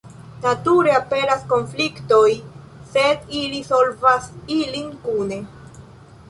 Nature, aperas konfliktoj, sed ili solvas ilin kune.